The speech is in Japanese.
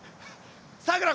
さくら